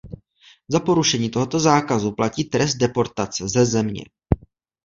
Za porušení tohoto zákazu platí trest deportace ze země.